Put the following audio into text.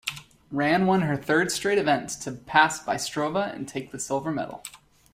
Rand won her third straight event to pass Bystrova and take the silver medal.